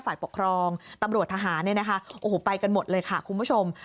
ฝ่ายปกครองตำรวจทหารเนี่ยนะคะโอ้โหไปกันหมดเลยค่ะคุณผู้ชม